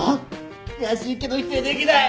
悔しいけど否定できない。